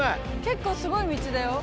結構すごい道だよ。